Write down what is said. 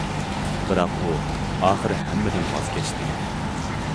بىراق ئۇ ئاخىرى ھەممىدىن ۋاز كەچتى.